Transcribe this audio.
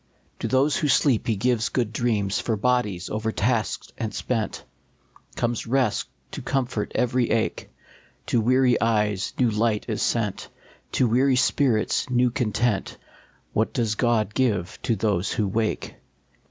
To those who sleep he gives good dreams ; For bodies overtasked and spent Comes rest to comfort every ache ; To weary eyes new light is sent, To weary spirits new content ; What does God give to those who wake